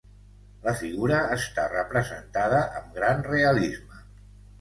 La figura està representada amb gran realisme.